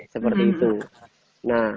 seperti itu nah